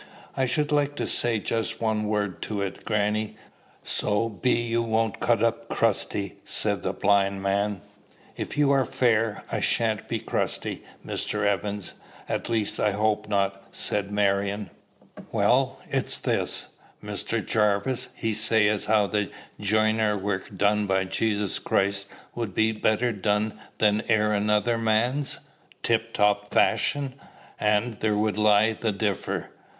"I should like to say just one word to it, grannie, so be you won't cut up crusty," said the blind man. "If you are fair, I sha'n't be crusty, Mr. Evans. At least, I hope not," said Marion. "Well, it's this: Mr. Jarvis he say as how the jiner work done by Jesus Christ would be better done than e'er another man's, tip top fashion, and there would lie the differ.